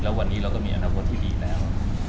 แล้ววันนี้เราก็มีอนาคตที่ดีแล้ว